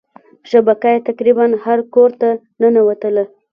شبکه یې تقريبا هر کورته ننوتله.